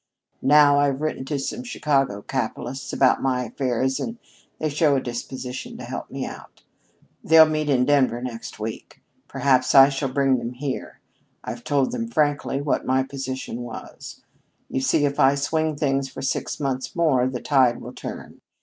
Now I've written to some Chicago capitalists about my affairs and they show a disposition to help me out. They'll meet in Denver next week. Perhaps I shall bring them here. I've told them frankly what my position was. You see, if I can swing things for six months more, the tide will turn.